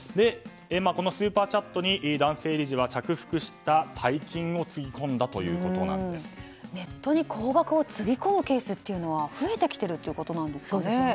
このスーパーチャットに男性理事は着服したネットに高額をつぎ込むケースが増えてきてるということですかね。